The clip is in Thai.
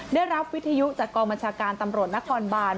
ได้รับวิทยุจากกองบัญชาการตำรวจนครบาน